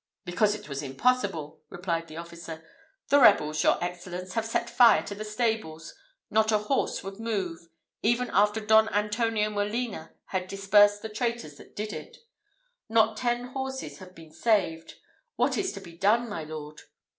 "Because it was impossible," replied the officer: "the rebels, your Excellence, have set fire to the stables not a horse would move, even after Don Antonio Molina had dispersed the traitors that did it. Not ten horses have been saved. What is to be done, my lord?"